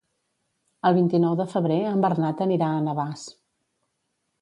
El vint-i-nou de febrer en Bernat anirà a Navàs.